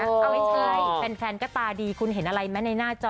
เอาไม่ใช่แฟนก็ตาดีคุณเห็นอะไรไหมในหน้าจอ